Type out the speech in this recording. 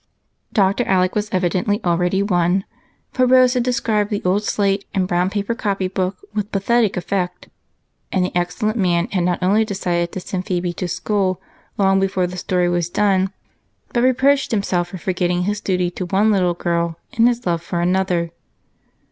Dr. Alec was evidently already won, for Rose had described the old slate and brown paper copy book with pathetic effect, and the excellent man had not only decided to send Phebe to school long before the story was done, bilt reproached himself for forgetting his duty to one little girl in his love for another.